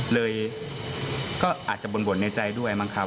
เลยก็อาจจะบ่นบ่นในใจด้วยบอกครับ